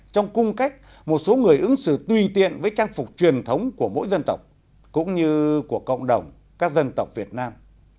trong cung cách một số người ứng xử tùy tiện với trang phục truyền thống của mỗi dân tộc cũng như của cộng đồng các dân tộc việt nam